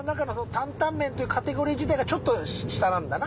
「担々麺」というカテゴリー自体がチョット下なんだな。